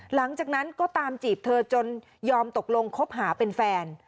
หลังจากนั้นก็ตามจีบเธอจนยอมตกลงคบหาเป็นแฟน